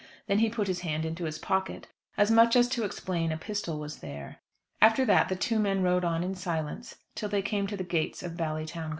Then he put his hand into his pocket, as much as to explain a pistol was there. After that the two men rode on in silence till they came to the gates of Ballytowngal.